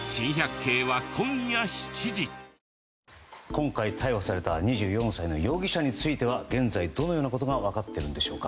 今回逮捕された２４歳の容疑者については現在どのようなことが分かっているんでしょうか。